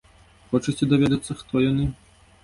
Хочаце даведацца, хто яны?